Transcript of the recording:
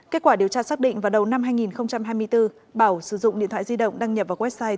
kết quả điều tra xác định vào đầu năm hai nghìn hai mươi bốn bảo sử dụng điện thoại di động đăng nhập vào website